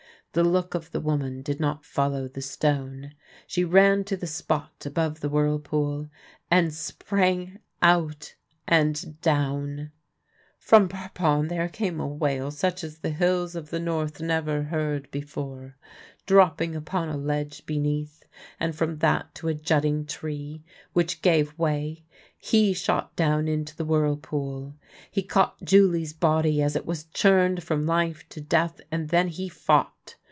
The look of the woman did not follow the stone. She ran to the spot above the whirlpool, and sprang out and down. From Parpon there came a vi^ail such as the hills of the north never heard before. Dropping upon a ledge beneath, and from that to a jutting tree, which gave way, he shot down into the whirlpool. He caught Julie's body as it v. as churned from life to death: and then he fought.